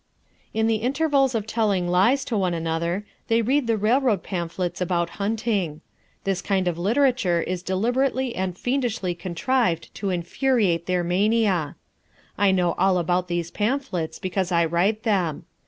In the intervals of telling lies to one another they read the railroad pamphlets about hunting. This kind of literature is deliberately and fiendishly contrived to infuriate their mania. I know all about these pamphlets because I write them.